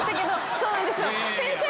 そうなんですよ。